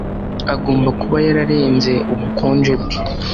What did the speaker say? Agomba kuba yararenze ubukonje bwe